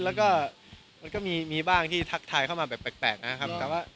แล้วก็มีบ้างที่ถักทหายเข้ามาแบบแปลก